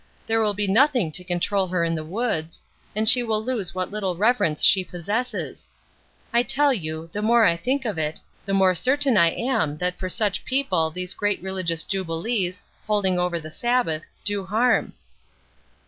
There will be nothing to control her in the woods, and she will lose what little reverence she possesses. I tell you, the more I think of it, the more certain I am that for such people these great religious jubilees, holding over the Sabbath, do harm."